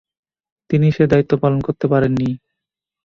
তিনি সে দায়িত্ব পালন করতে পারেন নি।